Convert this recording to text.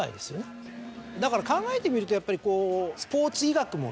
だから考えてみるとやっぱりこう。